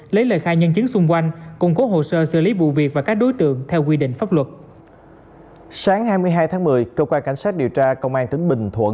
lấy lời khai nhân chứng xung quanh cùng cố hồ sơ xử lý vụ việc và các đối tượng theo quy định pháp luật